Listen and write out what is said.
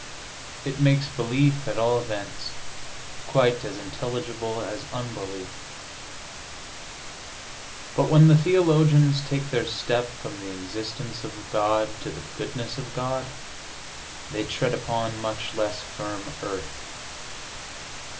It makes belief, at all events, quite as intelligible as unbelief. But when the theologians take their step from the existence of God to the goodness of God they tread upon much less firm earth.